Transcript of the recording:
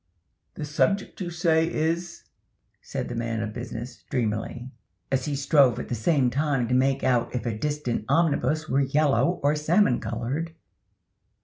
The subject you say is"—said the man of business, dreamily, as he strove at the same time to make out if a distant omnibus were yellow or salmon colored.